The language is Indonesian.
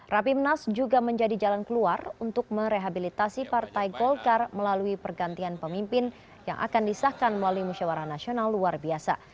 rapimnas juga menjadi jalan keluar untuk merehabilitasi partai golkar melalui pergantian pemimpin yang akan disahkan melalui musyawarah nasional luar biasa